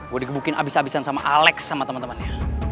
gue dikebukin abis abisan sama alex sama temen temennya